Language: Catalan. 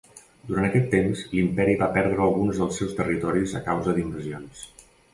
Durant aquest temps, l'imperi va perdre alguns dels seus territoris a causa d'invasions.